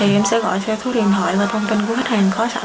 em sẽ gọi theo thuốc điện thoại và thông tin của khách hàng khó sẵn